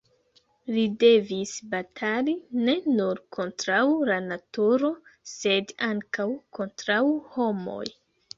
Li devis batali ne nur kontraŭ la naturo, sed ankaŭ kontraŭ homoj.